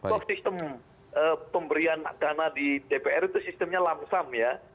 bahwa sistem pemberian dana di dpr itu sistemnya lamsam ya